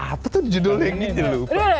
apa tuh judulnya ini